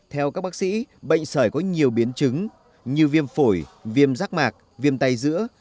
theo các bác sĩ bệnh sởi có nhiều biến chứng như viêm phổi viêm rác mạc viêm tay giữa